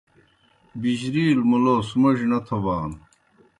بِجرِیلوْ مُلوس موڙیْ نہ تھوبانوْ۔